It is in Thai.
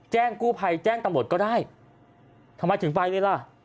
แจ้งกู้ภัยแจ้งตำรวจก็ได้ทำไมถึงไปเลยล่ะ